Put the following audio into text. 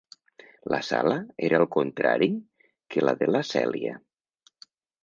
La sala era el contrari que la de la Celia.